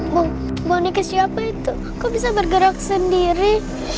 mau moniknya siapa itu kok bisa bergerak sendiri